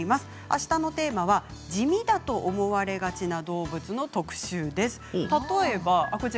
あしたのテーマは、地味だと思われがちな動物の特集です。